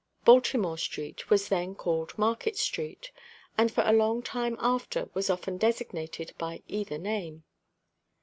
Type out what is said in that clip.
Baltimore street was then called Market street, and for a long time after was often designated by either name.